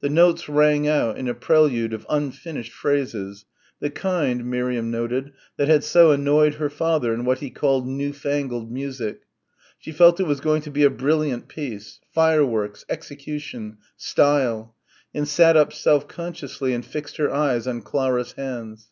The notes rang out in a prelude of unfinished phrases the kind, Miriam noted, that had so annoyed her father in what he called new fangled music she felt it was going to be a brilliant piece fireworks execution style and sat up self consciously and fixed her eyes on Clara's hands.